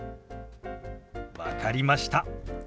分かりました。